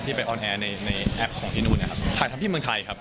ที่ไปออนแอร์ในแอปของที่นู่นถ่ายทำที่เมืองไทยครับ